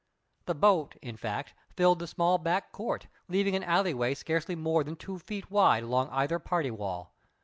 The boat, in fact, filled the small back court, leaving an alley way scarcely more than two feet wide along either party wall.